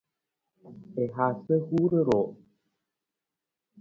I haasa huur ruu.